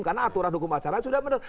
karena aturan hukum acara sudah benar